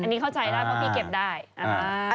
อันนี้เข้าใจได้เพราะพี่เก็บได้อ่า